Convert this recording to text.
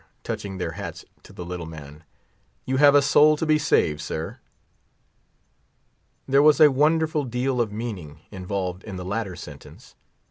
touching their hats to the little man; "you have a soul to be saved, sir!" There was a wonderful deal of meaning involved in the latter sentence.